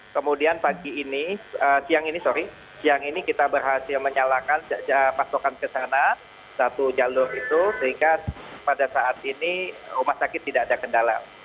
kemudian pagi ini siang ini sorry siang ini kita berhasil menyalakan pasokan ke sana satu jalur itu sehingga pada saat ini rumah sakit tidak ada kendala